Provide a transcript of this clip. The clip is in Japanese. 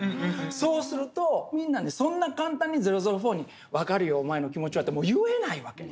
そうするとみんなそんな簡単に００４に「分かるよお前の気持ちは」ってもう言えないわけ。